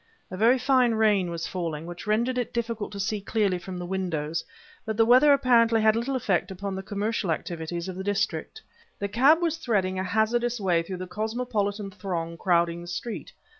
A very fine rain was falling, which rendered it difficult to see clearly from the windows; but the weather apparently had little effect upon the commercial activities of the district. The cab was threading a hazardous way through the cosmopolitan throng crowding the street.